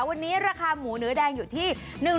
วันนี้ราคาหมูเนื้อแดงอยู่ที่